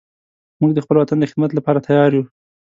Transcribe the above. موږ د خپل وطن د خدمت لپاره تیار یو